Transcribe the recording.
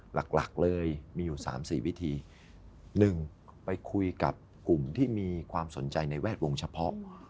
หลักหลักเลยมีอยู่สามสี่วิธีหนึ่งไปคุยกับกลุ่มที่มีความสนใจในแวดวงเฉพาะ